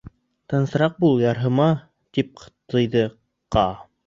— Тынысыраҡ бул, ярһыма, — тип тыйҙы Каа.